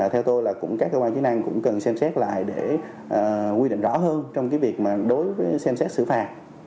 theo tôi là các cơ quan chức năng cũng cần xem xét lại để quy định rõ hơn trong cái việc mà đối với xem xét xử phạt